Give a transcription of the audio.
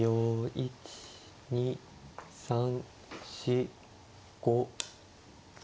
１２３４５。